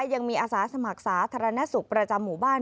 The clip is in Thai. ยังมีอาสาสมัครสาธารณสุขประจำหมู่บ้าน